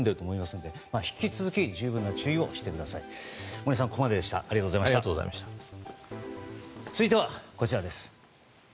続いては、こちらです。